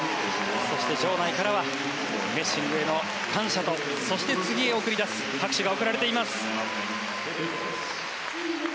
そして場内からはメッシングへの感謝とそして、次へ送り出す拍手が送られています。